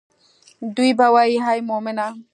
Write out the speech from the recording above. دوي به وائي اے مومنه!